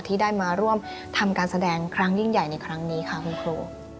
ที่ได้มาร่วมทำการแสดงครั้งยิ่งใหญ่ในครั้งนี้ค่ะคุณครู